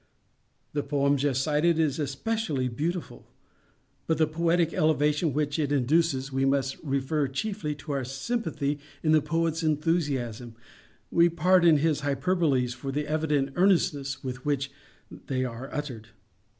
The poem just cited is especially beautiful; but the poetic elevation which it induces we must refer chiefly to our sympathy in the poet's enthusiasm. We pardon his hyperboles for the evident earnestness with which they are uttered.